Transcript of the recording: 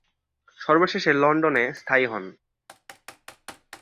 সবশেষে লন্ডনে স্থায়ী হন।